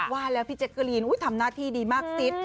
ว่าแล้วพี่แจ๊กกะลีนทำหน้าที่ดีมากซิด